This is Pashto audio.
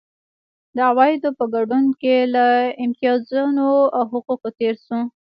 د عوایدو په ګډون له امتیازونو او حقونو تېر شو.